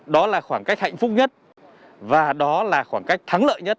đó là khoảng cách hạnh phúc nhất và đó là khoảng cách thắng lợi nhất